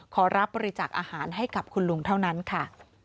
ขอรับบริจาคอาหารให้กับคุณลุงเท่านั้นค่ะ